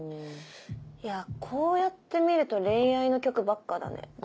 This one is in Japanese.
こうやって見ると恋愛の曲ばっかだね。